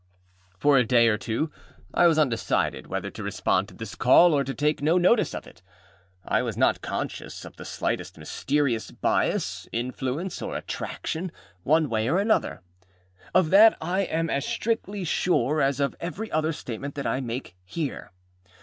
For a day or two I was undecided whether to respond to this call, or take no notice of it. I was not conscious of the slightest mysterious bias, influence, or attraction, one way or other. Of that I am as strictly sure as of every other statement that I make here.